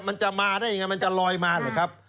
มันจะมาได้อย่างไรมันจะลอยมาเลยครับ